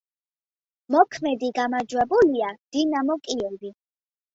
მოქმედი გამარჯვებულია „დინამო კიევი“.